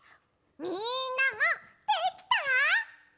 みんなもできた？